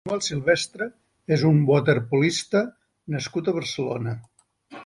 Manuel Silvestre és un waterpolista nascut a Barcelona.